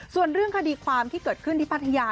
ส่วนเรื่องคดีความที่เกิดขึ้นที่พัทยา